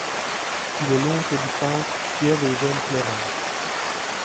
Il est l'oncle du peintre Pierre-Eugène Clairin.